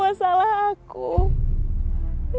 ini semua salah aku pak